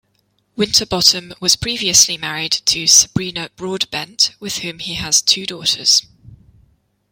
Winterbottom was previously married to Sabrina Broadbent, with whom he has two daughters.